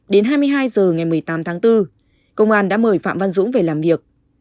đến hai mươi hai h ngày một mươi tám tháng bốn công an đã mời phạm văn dũng về làm việc